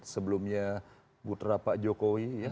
sebelumnya putra pak jokowi ya